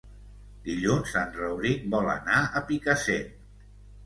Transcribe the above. Dilluns en Rauric vol anar a Picassent.